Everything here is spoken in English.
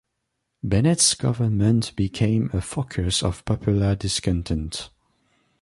Bennett's government became a focus of popular discontent.